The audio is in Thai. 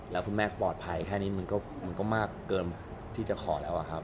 แล้วคุณแม่ปลอดภัยแค่นี้มันก็มากเกินที่จะขอแล้วอะครับ